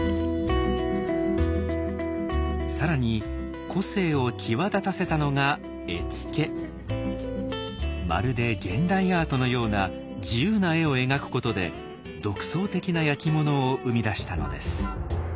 更に個性を際立たせたのがまるで現代アートのような自由な絵を描くことで独創的な焼き物を生み出したのです。